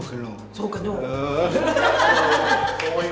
そうかの。